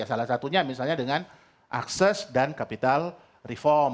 salah satunya misalnya dengan akses dan capital reform